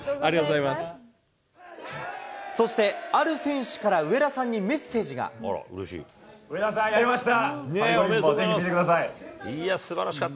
そしてある選手から上田さん上田さん、やりました。